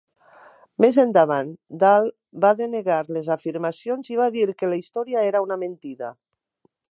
Més endavant, Dahl va denegar les afirmacions, i va dir que la història era una mentida.